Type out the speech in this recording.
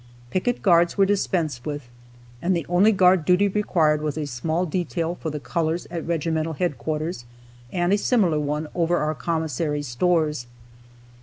Picket guards were dispensed with, and the only guard duty required was a small detail for the colors at regimental headquarters, and a similar one over our commissary stores.